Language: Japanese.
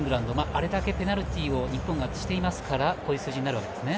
あれだけペナルティーを日本がしていますからこういう数字になるわけですね。